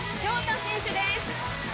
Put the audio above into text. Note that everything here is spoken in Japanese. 大選手です。